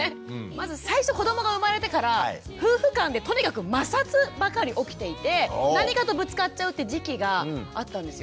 まず最初子どもが生まれてから夫婦間でとにかく摩擦ばかり起きていて何かとぶつかっちゃうって時期があったんですよ。